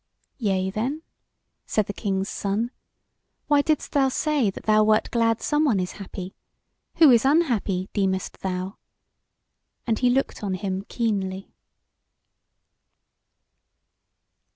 "Yea then," said the King's Son, "why didst thou say that thou wert glad someone is happy? Who is unhappy, deemest thou?" and he looked on him keenly.